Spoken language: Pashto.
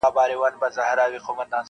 د حاکم تر خزانې پوري به تللې-